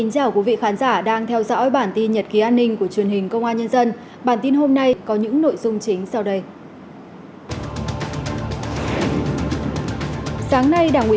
các bạn hãy đăng ký kênh để ủng hộ kênh của chúng mình nhé